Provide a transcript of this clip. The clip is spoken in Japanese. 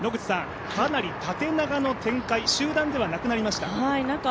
かなり縦長の展開、集団ではなくなりました。